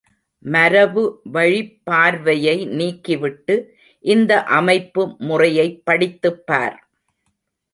மரபு வழிப்பார்வையை நீக்கிவிட்டு இந்த அமைப்பு முறையைப் படித்துப் பார்!